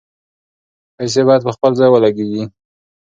پیسې باید په خپل ځای ولګیږي.